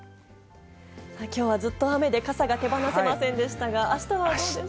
きょうはずっと雨で、傘が手放せませんでしたが、あしたはどうでしょう。